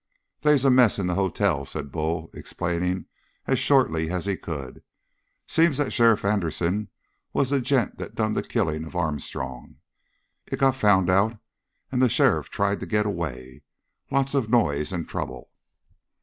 "They's a mess in the hotel," said Bull, explaining as shortly as he could. "Seems that Sheriff Anderson was the gent that done the killing of Armstrong. It got found out and the sheriff tried to get away. Lots of noise and trouble."